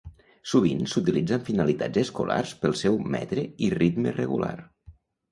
Sovint s'utilitza amb finalitats escolars pel seu metre i ritme regular.